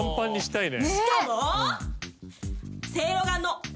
しかも。